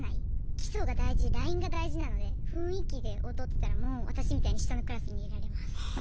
基礎が大事ラインが大事なので雰囲気で踊ってたらもう私みたいに下のクラスに入れられます。